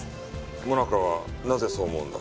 萌奈佳はなぜそう思うんだ？